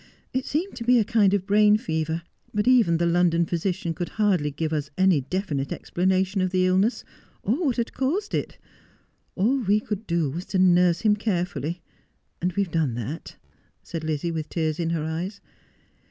It seemed to be a kind of brain fever ; but even the London physician could hardly give us any definite explanation of the illness, or what had caused it. All we could do was to nurse him carefully, and we have done that,' said Lizzie, with tears in her eyes.